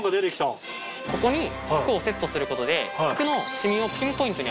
ここに服をセットすることで。